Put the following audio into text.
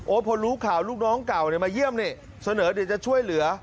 พอรู้ข่าวลูกน้องเก่ามาเยี่ยมนี่เสนอเดี๋ยวจะช่วยเหลือ